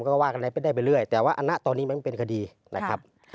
มันก็ว่ากันได้ไปเรื่อยแต่ว่าอันหน้าตอนนี้มันเป็นคดีนะครับ